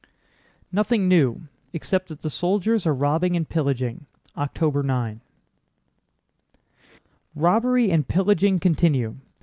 "Nothing new, except that the soldiers are robbing and pillaging—October 9." "Robbery and pillaging continue.